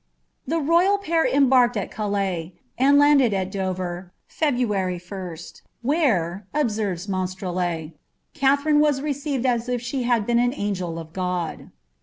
The royal pair embarked at Calais, and landed at Dover, February 1st, ^ where,'' observes Monstrelet, ^ Katherine was received as if she had been an angel of God."